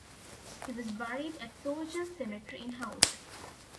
He was buried at Soldiers Cemetery in Houlton.